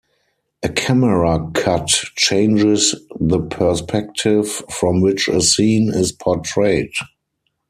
A camera cut changes the perspective from which a scene is portrayed.